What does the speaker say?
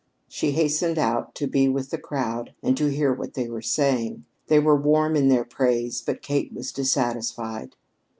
She hastened out to be with the crowd and to hear what they were saying. They were warm in their praise, but Kate was dissatisfied.